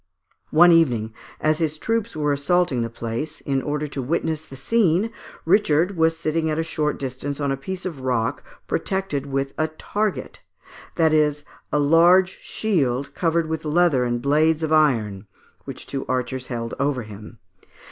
One evening, as his troops were assaulting the place, in order to witness the scene, Richard was sitting at a short distance on a piece of rock, protected with a target that is, a large shield covered with leather and blades of iron which two archers held over him.